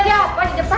gimana deh orang ada